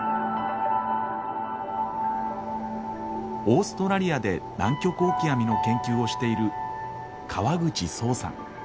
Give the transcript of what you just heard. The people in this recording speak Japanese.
オーストラリアでナンキョクオキアミの研究をしている川口創さん。